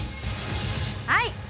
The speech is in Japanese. はい！